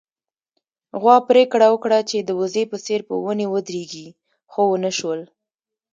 غوا پرېکړه وکړه چې د وزې په څېر په ونې ودرېږي، خو ونه شول